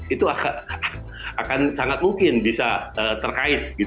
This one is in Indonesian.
itu akan sangat mungkin bisa terkait